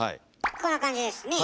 こんな感じですね。